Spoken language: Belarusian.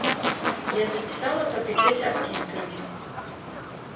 Я запісала тады дзясяткі інтэрв'ю.